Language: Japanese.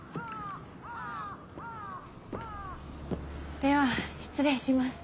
では失礼します。